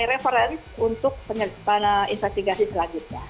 for reference untuk investigasi selanjutnya